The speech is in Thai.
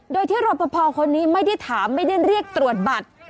โดยที่รอปภคนนี้ไม่ได้ถามไม่ได้เรียกตรวจบัตร